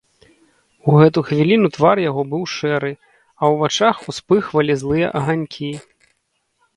У гэту хвіліну твар яго быў шэры, а ў вачах успыхвалі злыя аганькі.